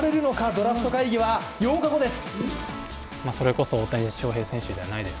ドラフト会議は８日後です。